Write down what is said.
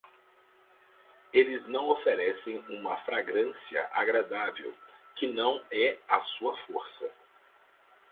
Eles não oferecem uma fragrância agradável, que não é a sua força.